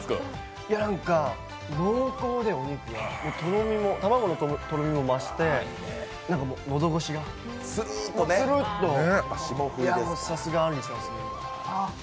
濃厚でお肉が、卵のとろみも増して、喉越しがツルッと、さすがあんりさんですね。